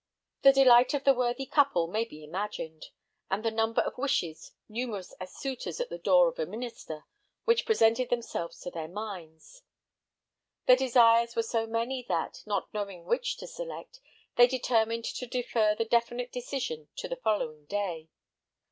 The delight of the worthy couple may be imagined, and the number of wishes, numerous as suitors at the door of a minister, which presented themselves to their minds. Their desires were so many that, not knowing which to select, they determined to defer the definite decision to the following day.